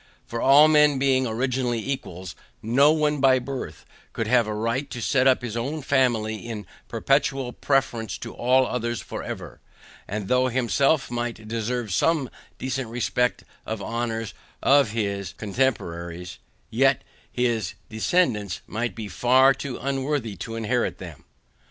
For all men being originally equals, no ONE by BIRTH could have a right to set up his own family in perpetual preference to all others for ever, and though himself might deserve SOME decent degree of honors of his cotemporaries, yet his descendants might be far too unworthy to inherit them.